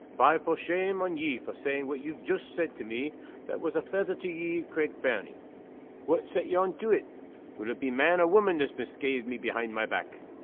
Fie for shame on ye for saying what ye've joost said to me that was a fether to ye at Craig Fernie! Wha' set ye on to it? Will it be man or woman that's misca'ed me behind my back?"